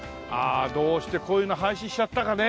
どうしてこういうの廃止しちゃったかねえ。